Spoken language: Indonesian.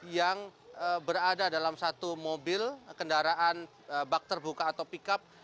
yang berada dalam satu mobil kendaraan bak terbuka atau pickup